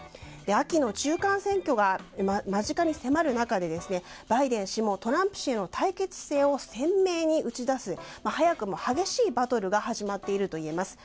秋の中間選挙が間近に迫る中でバイデン氏もトランプ氏への対決姿勢を鮮明に打ち出す早くも激しいバトルが始まっているといえます。